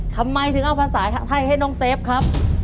ทำไมถึงเอาภาษาไทยให้น้องเซฟครับ